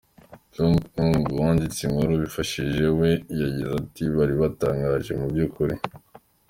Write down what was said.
Loung Ung wanditse inkuru bifashishije we yagize ati "Bari batangaje mu by’ukuri.